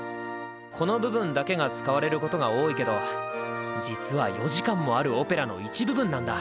この部分だけが使われることが多いけど実は４時間もあるオペラの一部分なんだ。